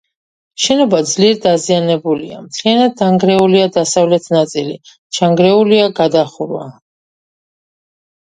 შენობა ძლიერ დაზიანებულია: მთლიანად დანგრეულია დასავლეთ ნაწილი, ჩანგრეულია გადახურვა.